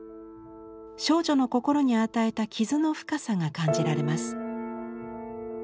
少女の心に与えた傷の深さが感じられます。